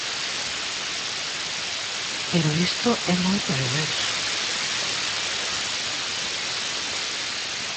Pero isto é moi perverso.